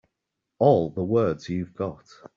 All the words you've got.